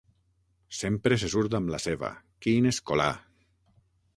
Sempre se surt amb la seva!, quin escolà!